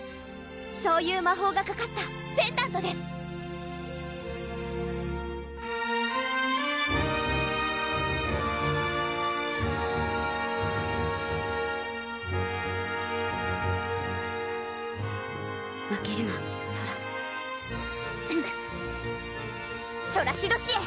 そういう魔法がかかったペンダントです負けるなソラソラシド市へ！